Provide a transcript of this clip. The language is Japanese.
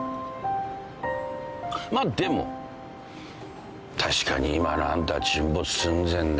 まあでも確かに今のあんたは沈没寸前だ。